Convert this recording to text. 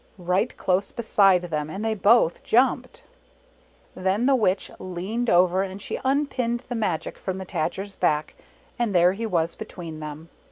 right close beside them, and they both jumped. Then the Witch leaned over and she unpinned, the. magic from the Tajer's back, and there he was between them.